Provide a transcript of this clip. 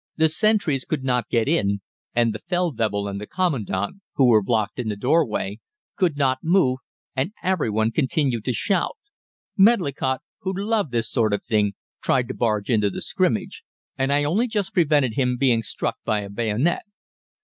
The sentries could not get in, and the Feldwebel and the Commandant, who were blocked in the doorway, could not move, and every one continued to shout. Medlicott, who loved this sort of thing, tried to barge into the scrimmage, and I only just prevented him being struck by a bayonet.